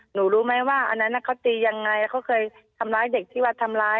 รู้ไหมว่าอันนั้นเขาตียังไงแล้วเขาเคยทำร้ายเด็กที่ว่าทำร้าย